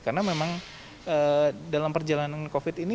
karena memang dalam perjalanan covid ini